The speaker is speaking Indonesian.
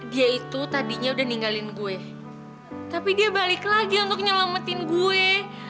dia itu tadinya udah ninggalin gue tapi dia balik lagi untuk nyelamatin gue